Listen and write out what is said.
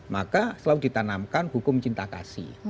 maka selalu ditanamkan hukum cinta kasih